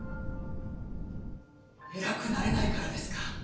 偉くなれないからですか？